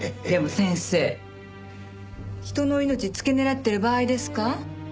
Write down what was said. でも先生人の命付け狙ってる場合ですか？